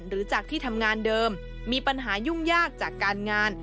หรือจากที่ทำงานเดิมมีปัญหายุ่งยากจากการงาน